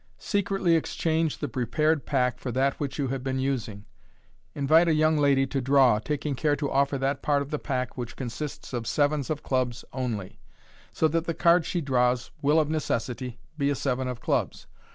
Secretly exchange the prepared pack for that which you have been using. Invite a young lady to draw, taking care to offer that part of the pack which consists of sevens of clubs only, so that the card she draws will, of necessity, be a seven of clubs.